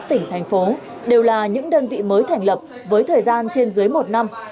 tỉnh thành phố đều là những đơn vị mới thành lập với thời gian trên dưới một năm